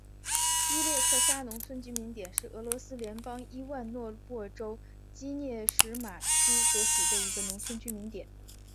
希列克沙农村居民点是俄罗斯联邦伊万诺沃州基涅什马区所属的一个农村居民点。